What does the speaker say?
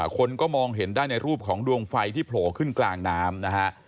คนก็มองเห็นได้ในรูปของดวงไฟที่โผล่ขึ้นกลางน้ำนะฮะ